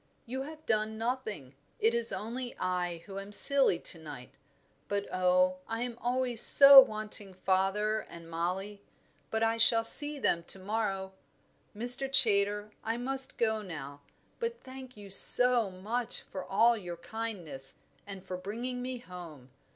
"You have done nothing it is only I who am silly to night; but oh! I am always so wanting father and Mollie. But I shall see them to morrow. Mr. Chaytor, I must go now; but thank you so much for all your kindness and for bringing me home.